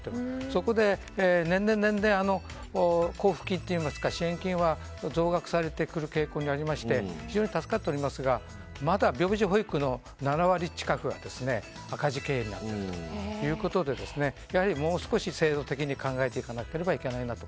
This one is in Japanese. そこで年々交付金といいますか支援金は増額されてくる傾向にありまして非常に助かっておりますがまだ病児保育の７割近くが赤字経営になっているということでもう少し制度的に考えていかなければいけないなと。